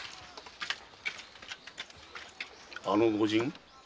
「あの御仁」？